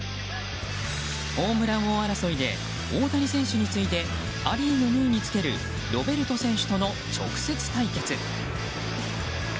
ホームラン王争いで大谷選手に次いでア・リーグ２位につけるロベルト選手との直接対決。